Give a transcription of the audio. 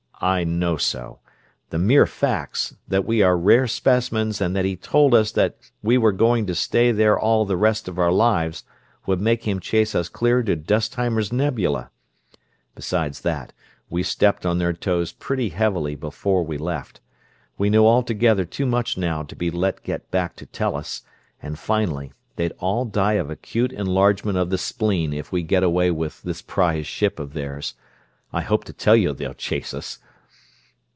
I know so! The mere facts, that we are rare specimens and that he told us that we were going to stay there all the rest of our lives, would make him chase us clear to Dustheimer's Nebula. Besides that, we stepped on their toes pretty heavily before we left. We know altogether too much now to be let get back to Tellus; and finally, they'd all die of acute enlargement of the spleen if we get away with this prize ship of theirs. I hope to tell you they'll chase us!"